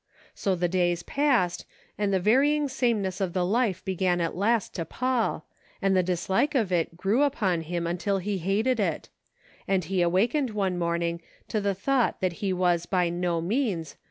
So the days passed, and the varying sameness of the life began at last to pall, and the dislike of it grew upon him until he hated it ; and he awakened one morning to the thought that he was, by no means.